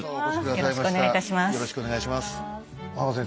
よろしくお願いします。